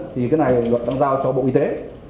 thì cái này đang giao cho bộ y tế